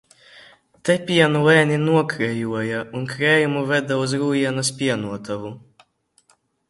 Te pienu lēni nokrejoja un krējumu veda uz Rūjienas pienotavu.